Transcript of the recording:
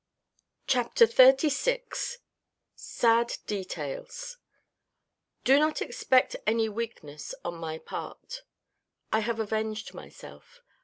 CHAPTER LXVI SAD DETAILS Do not expect any weakness on my part. I have avenged myself.